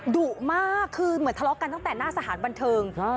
ดุมากคือเหมือนทะเลาะกันตั้งแต่หน้าสถานบันเทิง